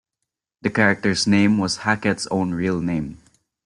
The character's name was Hackett's own real name.